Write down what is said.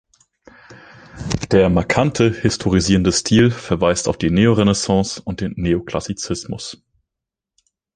Der „markante“ historisierende Stil verweist auf die Neorenaissance und den Neoklassizismus.